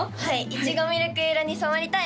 いちごみるく色に染まりたい。